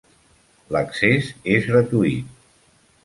L'accés és gratuït.